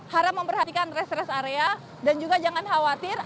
haram memperhatikan rest rest area dan juga jangan khawatir